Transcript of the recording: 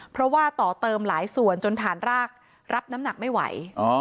เพราะว่าต่อเติมหลายส่วนจนฐานรากรับน้ำหนักไม่ไหว